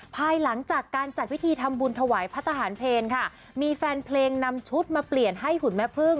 ภายหลังจากการจัดพิธีทำบุญถวายพระทหารเพลค่ะมีแฟนเพลงนำชุดมาเปลี่ยนให้หุ่นแม่พึ่ง